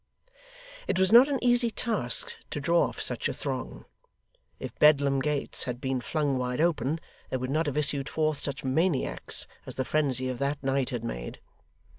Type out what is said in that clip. It was not an easy task to draw off such a throng. If Bedlam gates had been flung wide open, there would not have issued forth such maniacs as the frenzy of that night had made.